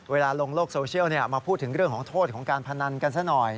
ลงโลกโซเชียลมาพูดถึงเรื่องของโทษของการพนันกันซะหน่อย